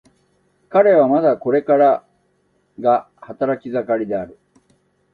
彼はまだこれからが働き盛りである。